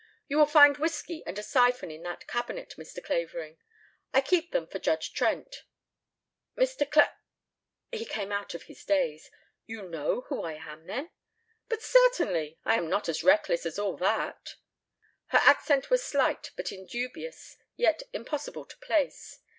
"You will find whiskey and a syphon in that cabinet, Mr. Clavering. I keep them for Judge Trent." "Mr. Cla " He came out of his daze. "You know who I am then?" "But certainly. I am not as reckless as all that." Her accent was slight but indubious, yet impossible to place.